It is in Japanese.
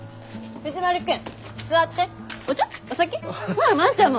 ほら万ちゃんも！